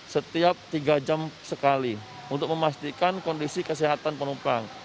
setiap tiga jam sekali untuk memastikan kondisi kesehatan penumpang